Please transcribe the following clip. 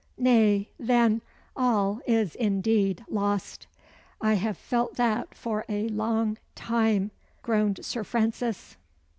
"Nay, then, all is indeed lost!" "I have felt that for a long time," groaned Sir Francis.